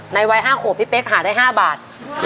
ในวัย๕โขท์พี่เป๊๊กหาได้๕บาท